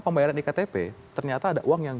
pembayaran di ktp ternyata ada uang yang